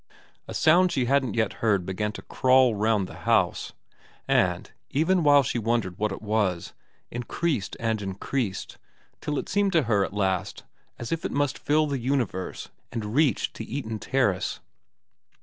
A sound she hadn't yet heard began to crawl round the house, and, even while she wondered what it was, increased and increased till it seemed to her at last as if it must fill the universe and reach to Eaton Terrace.